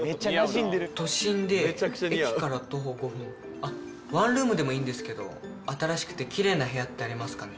あっワンルームでもいいんですけど新しくてきれいな部屋ってありますかね？